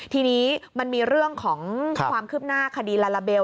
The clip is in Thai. ทีนี้มันมีเรื่องของความคืบหน้าคดีลาลาเบล